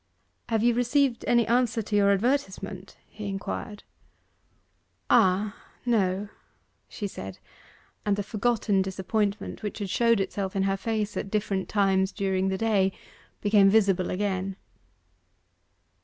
'Have you received any answer to your advertisement?' he inquired. 'Ah no!' she said, and the forgotten disappointment which had showed itself in her face at different times during the day, became visible again.